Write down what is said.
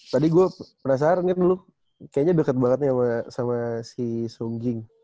tadi gue penasaran kan lu kayaknya deket banget nih sama si sung jing